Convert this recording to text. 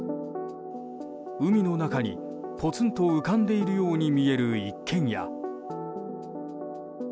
海の中にポツンと浮かんでいるように見える一軒家。